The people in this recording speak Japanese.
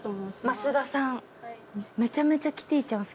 増田さん。